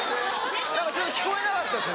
何かちょっと聞こえなかったです